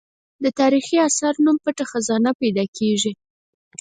د تاریخي اثر نوم پټه خزانه پیدا کېږي.